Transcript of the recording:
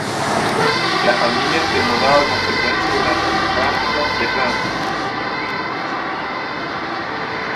La familia se mudaba con frecuencia durante la infancia de Frances.